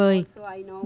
và tôi cũng biết rằng